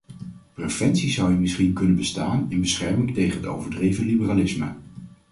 Preventie zou hier misschien kunnen bestaan in bescherming tegen het overdreven liberalisme.